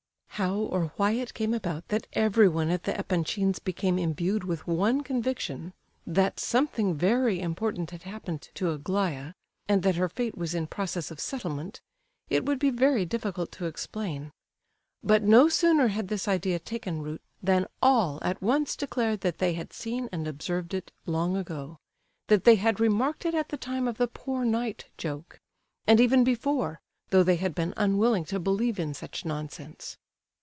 How or why it came about that everyone at the Epanchins' became imbued with one conviction—that something very important had happened to Aglaya, and that her fate was in process of settlement—it would be very difficult to explain. But no sooner had this idea taken root, than all at once declared that they had seen and observed it long ago; that they had remarked it at the time of the "poor knight" joke, and even before, though they had been unwilling to believe in such nonsense.